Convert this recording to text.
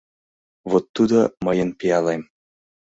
— Вот тудо мыйын пиалем.